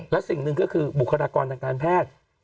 และสิ่งหนึ่งก็คือบุคลากรทางการแพทย์